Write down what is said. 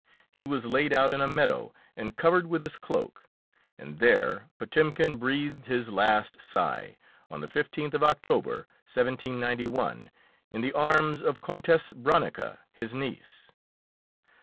He was laid out in a meadow and covered with his cloak, and there Potemkin breathed his last sigh, on the 15th of October, 1791, in the arms of Countess Branicka, his niece.